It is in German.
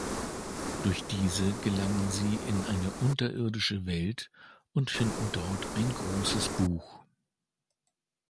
Durch diese gelangen sie in eine unterirdische Welt und finden dort ein großes Buch.